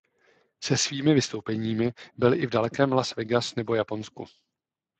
Se svými vystoupeními byl i v dalekém Las Vegas nebo Japonsku.